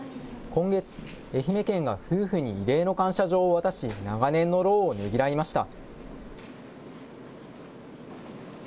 今月、愛媛県が夫婦に異例の感謝状を渡し、長年の労をねぎらいました。